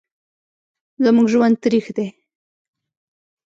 زموږ ژوند تریخ دی